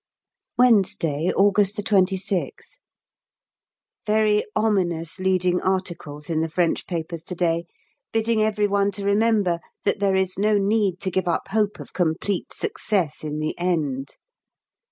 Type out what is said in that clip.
Wednesday, August 26th. Very ominous leading articles in the French papers to day bidding every one to remember that there is no need to give up hope of complete success in the end!